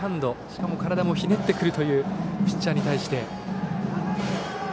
しかも体もひねってくるというピッチャーに対して。